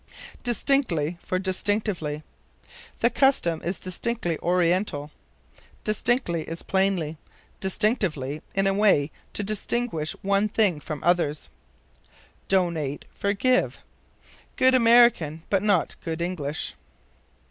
Distinctly for Distinctively. "The custom is distinctly Oriental." Distinctly is plainly; distinctively, in a way to distinguish one thing from others. Donate for Give. Good American, but not good English.